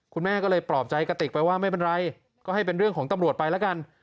คุณแม่ก็เลยปลอบใจกระติกไปว่าไม่เป็นไรก็ให้เป็นเรื่องของตำรวจไปแล้วกัน